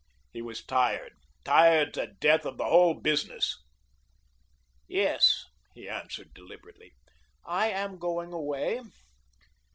He was tired, tired to death of the whole business. "Yes," he answered deliberately, "I am going away.